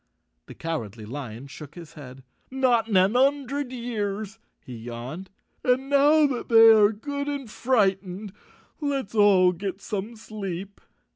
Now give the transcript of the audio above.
The Cowardly Lion shook his head. " Not in an 'un dred years," he yawned. "And now that they are good and frightened let's all get some sleep."